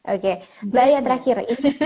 oke mbak ya terakhir